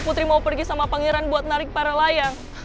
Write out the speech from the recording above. putri mau pergi sama pangeran buat narik para layang